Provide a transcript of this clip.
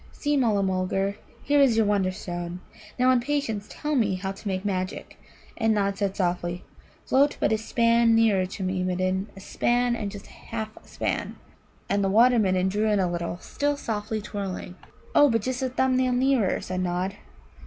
"See, Mulla mulgar, here is your Wonderstone. Now in patience tell me how to make magic." And Nod said softly: "Float but a span nearer to me, Midden a span and just a half a span." And the Water midden drew in a little, still softly twirling. "Oh, but just a thumb nail nearer," said Nod.